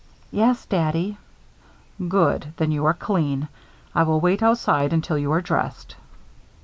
"Yes, Daddy." "Good! Then you are clean. I will wait outside until you are dressed."